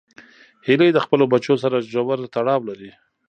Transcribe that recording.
هیلۍ د خپلو بچو سره ژور تړاو لري